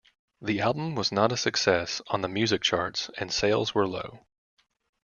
The album was not a success on the music charts and sales were low.